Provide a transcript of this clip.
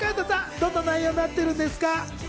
どんな内容になっているんですか？